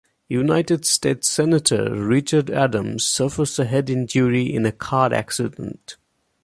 United States Senator Richard Adams suffers a head injury in a car accident.